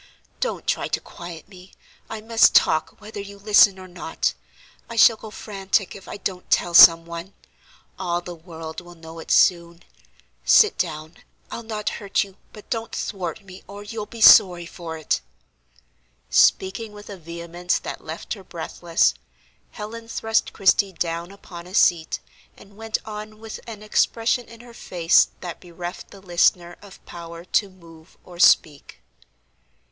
Don't try to quiet me, I must talk whether you listen or not; I shall go frantic if I don't tell some one; all the world will know it soon. Sit down, I'll not hurt you, but don't thwart me or you'll be sorry for it." Speaking with a vehemence that left her breathless, Helen thrust Christie down upon a seat, and went on with an expression in her face that bereft the listener of power to move or speak.